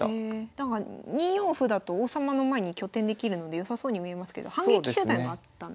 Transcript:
なんか２四歩だと王様の前に拠点できるので良さそうに見えますけど反撃手段があったんですね。